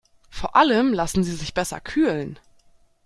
Vor allem lassen sie sich besser kühlen.